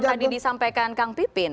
yang tadi disampaikan kang pipin